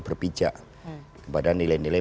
berbijak kepada nilai nilai